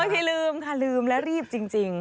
ที่ลืมค่ะลืมและรีบจริง